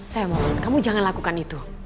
saya mohon kamu jangan lakukan itu